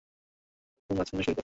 একদম মাঝখানে সই করেন।